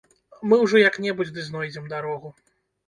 - Мы ўжо як-небудзь ды знойдзем дарогу